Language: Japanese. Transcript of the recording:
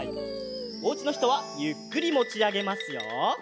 おうちのひとはゆっくりもちあげますよ。